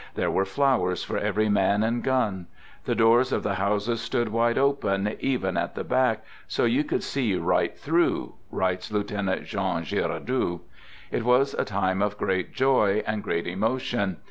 There were flowers for every man and gun. The doors of the houses stood wide open, even at the back, so you could see right through, writes Lieutenant Jean Giraudoux. It was a time of great joy and great emotion.